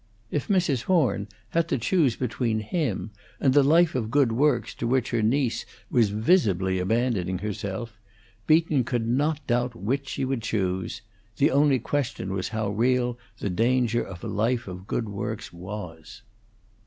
If Mrs. Horn had to choose between him and the life of good works to which her niece was visibly abandoning herself, Beaton could not doubt which she would choose; the only question was how real the danger of a life of good works was.